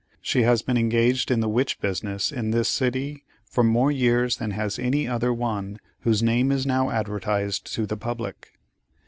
She has been engaged in the "Witch" business in this city for more years than has any other one whose name is now advertised to the public.